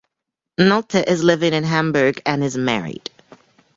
Nolte is living in Hamburg and is married.